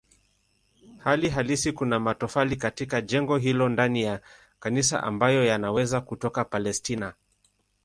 Hali halisi kuna matofali katika jengo hilo ndani ya kanisa ambayo yanaweza kutoka Palestina.